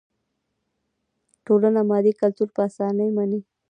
ټولنه مادي کلتور په اسانۍ مني.